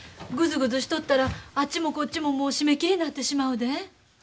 ぐずぐずしとったらあっちもこっちももう締め切りになってしまうで。